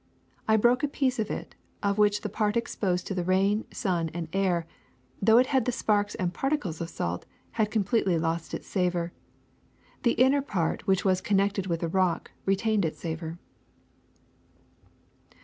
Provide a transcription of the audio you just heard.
I broke a piece of it, of which the part exposed to the rain, sun, and air, though it had the sparks and particles of salt, had completely lost its savor. The inner part which was connected with the rock, retained its savor."